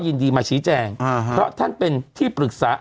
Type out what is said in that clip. ยินดีมาชี้แจงอ่าฮะเพราะท่านเป็นที่ปรึกษา